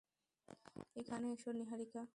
এখানে আসো, নীহারিকা।